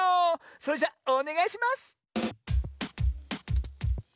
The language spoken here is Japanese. それじゃおねがいします！